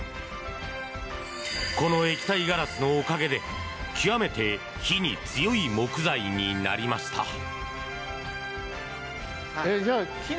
この液体ガラスのおかげで極めて火に強い木材になりました。